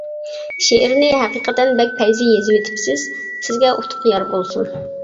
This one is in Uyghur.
شېئىرنى ھەقىقەتەن بەك پەيزى يېزىۋېتىپسىز، سىزگە ئۇتۇق يار بولسۇن.